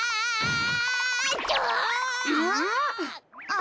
あ。